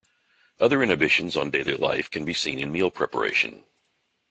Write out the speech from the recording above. Other inhibitions on daily life can be seen in meal preparation.